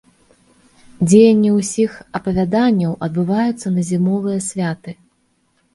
Дзеянне ўсіх апавяданняў адбываецца на зімовыя святы.